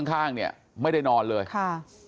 ข้างข้างเนี่ยไม่ได้นอนเลยค่ะ